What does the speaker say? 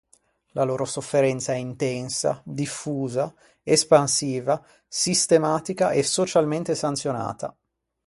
La loro sofferenza è intensa, diffusa, espansiva, sistematica e socialmente sanzionata.